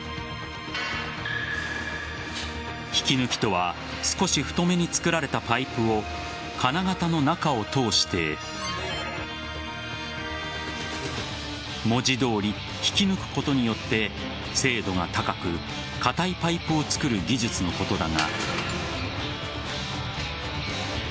引抜とは少し太めに作られたパイプを金型の中を通して文字どおり引き抜くことによって精度が高く硬いパイプを作る技術のことだが。